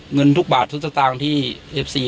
เงินทุกบาททุกสตางค์ที่เอฟซี